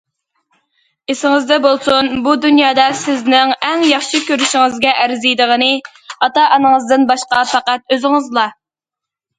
ئېسىڭىزدە بولسۇن، بۇ دۇنيادا سىزنىڭ ئەڭ ياخشى كۆرۈشىڭىزگە ئەرزىيدىغىنى ئاتا- ئانىڭىزدىن باشقا پەقەت ئۆزىڭىزلا.